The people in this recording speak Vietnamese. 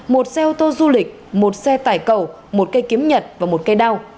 một xe ô tô du lịch một xe tải cầu một cây kiếm nhật và một cây đao